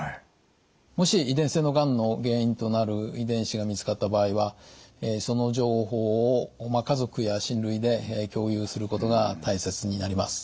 もし遺伝性のがんの原因となる遺伝子が見つかった場合はその情報を家族や親類で共有することが大切になります。